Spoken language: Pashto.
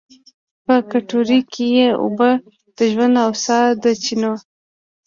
په کټورې کې یې اوبه، د ژوند او سا د چېنو